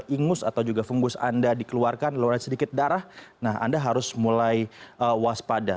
ingus atau juga fungus anda dikeluarkan luar sedikit darah anda harus mulai waspada